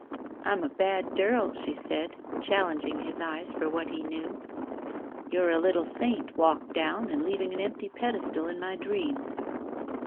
"I'm a bad durl," she said, challenging his eyes for what he knew. "You're a little saint walked down and leaving an empty pedestal in my dreams."